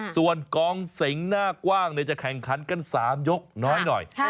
ส่วนกองสิงหน้ากว้างจะแข่งขันกัน๓ยกน้อยหน่อย